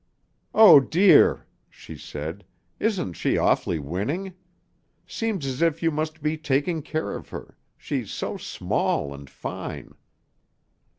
"Oh, dear!" she said; "isn't she awfully winning? Seems as if you must be taking care of her. She's so small and fine."